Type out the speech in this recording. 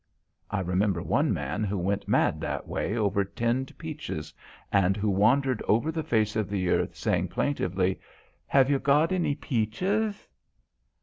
I remember one man who went mad that way over tinned peaches, and who wandered over the face of the earth saying plaintively, "Have you any peaches?"